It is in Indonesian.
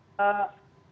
aman gitu ya